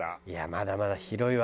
まだまだ広いわ。